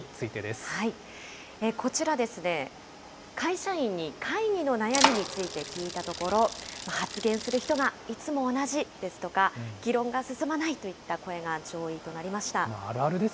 こちら、会社員に会議の悩みについて聞いたところ、発言する人がいつも同じですとか、議論が進まないといった声が上位となりました。